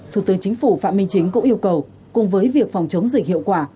thủ tướng chính phủ phạm minh chính cũng yêu cầu cùng với việc phòng chống dịch hiệu quả